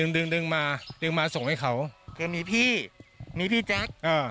ดึงดึงมาดึงมาส่งให้เขาแกมีพี่มีพี่แจ๊ค